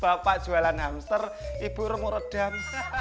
bapak jualan hamster ibu remur redam